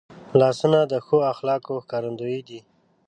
لاسونه د ښو اخلاقو ښکارندوی دي